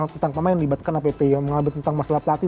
tentang apa yang libatkan appi yang mengambil tentang masalah pelatih